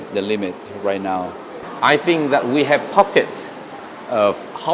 đang tìm kiếm những khu vực của họ